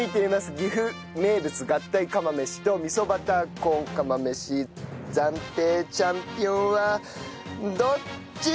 岐阜名物合体釜飯と味噌バターコーン釜飯暫定チャンピオンはどっち！？